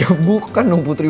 ya bukan dong putri